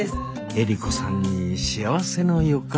エリコさんに幸せの予感？